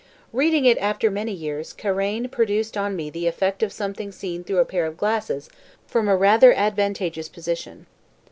Reading it after many years Karain produced on me the effect of something seen through a pair of glasses from a rather advantageous position.